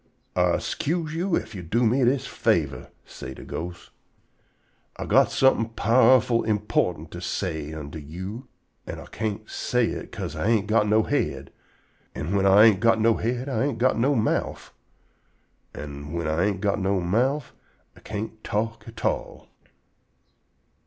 "Ah 'scuse you ef you do me dis favor," say de ghost. "Ah got somefin' powerful _im_portant to say unto you, an' Ah can't say hit 'ca'se Ah ain't got no head; an' whin Ah ain't got no head, Ah ain't got no mouf, an' whin Ah ain't got no mouf, Ah can't talk at all."